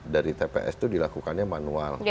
dari tps itu dilakukannya manual